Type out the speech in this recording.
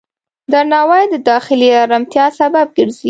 درناوی د داخلي آرامتیا سبب ګرځي.